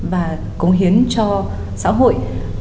và cống hiến cho xã hội